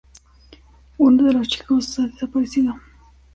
Uno de los chicos ha desaparecido.